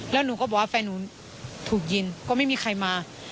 แล้วหนูก็บอกว่าแฟนหนูถูกยิงก็ไม่มีใครมา